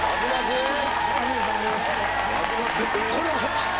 これは。